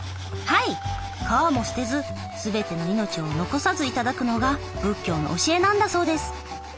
はい皮も捨てずすべての命を残さず頂くのが仏教の教えなんだそうです。